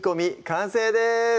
完成です